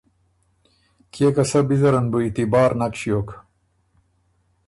کيې که سۀ بی زره ن بُو اتبار نک ݭیوک۔